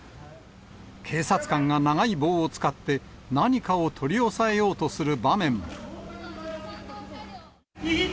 警察官が長い棒を使って、何かを取り押さえようとする場面も。